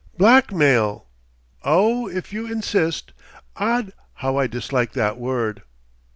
"Blackmail...!" "Oh, if you insist! Odd, how I dislike that word!"